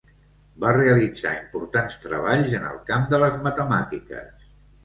Va realitzar importants treballs en el camp de les matemàtiques.